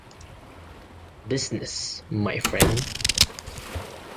Business my friend.